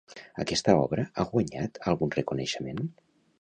Aquesta obra ha guanyat algun reconeixement?